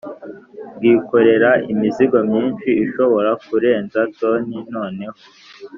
bwikorera imizigo myinshi ishobora kurenza toni noneho